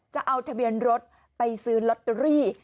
จะเอาทะเบียนรถไปซื้อลอตเตอรี่